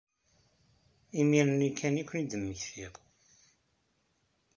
Imir-nni kan ay ken-id-mmektiɣ.